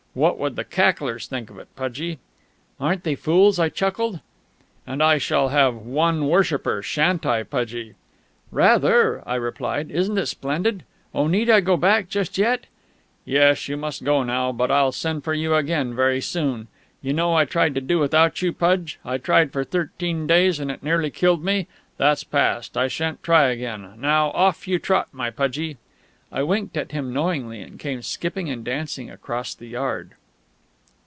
What would the cacklers think of it, Pudgie?" "Aren't they fools!" I chuckled. "And I shall have one worshipper, shan't I, Pudgie?" "Rather!" I replied. "Isn't it splendid!... Oh, need I go back just yet?" "Yes, you must go now; but I'll send for you again very soon.... You know I tried to do without you, Pudge; I tried for thirteen days, and it nearly killed me! That's past. I shan't try again. Now off you trot, my Pudgie " I winked at him knowingly, and came skipping and dancing across the yard.